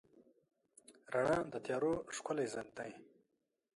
رڼا د تیارو ښکلی ضد دی.